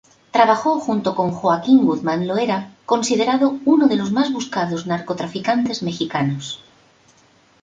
Trabajó junto con Joaquín Guzmán Loera, considerado uno de los más buscados narcotraficantes mexicanos.